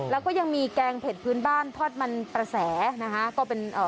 แล้วก็ยังมีแกงเผ็ดพื้นบ้านทอดมันประแสนะคะก็เป็นเอ่อ